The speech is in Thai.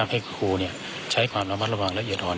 ให้ครูใช้ประวัติระหว่างละเอียดอ่อน